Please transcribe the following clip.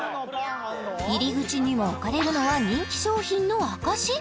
入り口にも置かれるのは人気商品の証し？